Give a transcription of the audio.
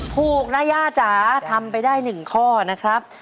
ถูกนะย่าจ๋าทำไปได้๑ข้อนะครับ